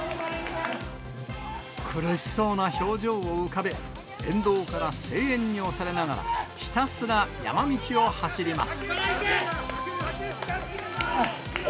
苦しそうな表情を浮かべ、沿道から声援に押されながら、ひたすら山道を走ります。